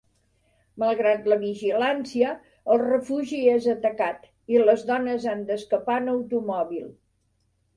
Malgrat la vigilància, el refugi és atacat i les dones han d'escapar en automòbil.